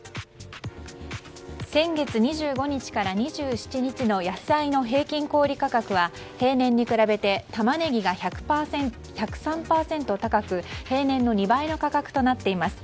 先月２５日から２７日の野菜の平均小売価格は平年に比べてタマネギが１０３％高く平年の２倍の価格となっています。